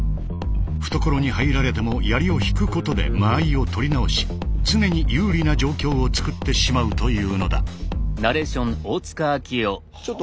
懐に入られても槍を引くことで間合いを取り直し常に有利な状況を作ってしまうというのだ。